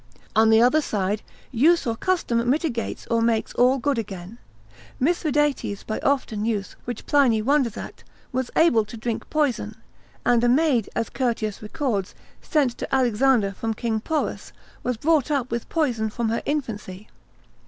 On the other side, use or custom mitigates or makes all good again. Mithridates by often use, which Pliny wonders at, was able to drink poison; and a maid, as Curtius records, sent to Alexander from King Porus, was brought up with poison from her infancy.